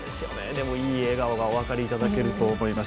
でもいい笑顔がお分かりいただけると思います。